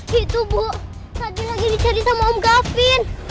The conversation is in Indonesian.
gitu bu tadi lagi dicari sama om gavin